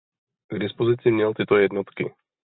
K dispozici měl tyto jednotky.